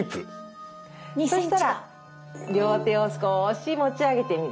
そしたら両手を少し持ち上げてみる。